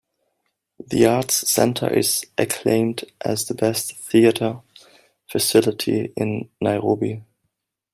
The Arts Center is acclaimed as the best theatre facility in Nairobi.